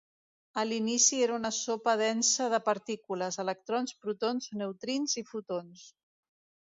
A l’inici era una sopa densa de partícules: electrons, protons, neutrins i fotons.